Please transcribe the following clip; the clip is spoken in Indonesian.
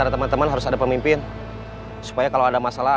nanti mesin cucinya diantar ke rumah